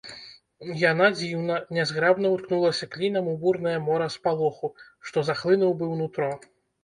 Яна дзіўна, нязграбна ўткнулася клінам у бурнае мора спалоху, што захлынуў быў нутро.